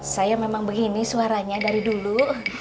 saya memang begini suaranya dari dulu